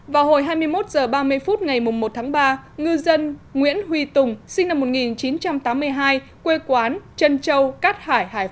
vào hồi hai mươi một h ba mươi phút ngày một tháng ba ngư dân nguyễn huy tùng sinh năm một nghìn chín trăm tám mươi hai quê quán trân châu cát hải hải